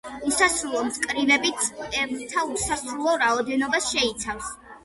უსასრულო მწკრივები წევრთა უსასრულო რაოდენობას შეიცავს.